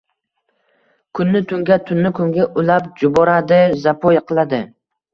Kunni tunga, tunni kunga ulab juboradi, zapoy qiladi